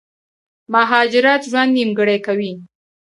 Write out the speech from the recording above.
مهاجرت ژوند نيمګړی کوي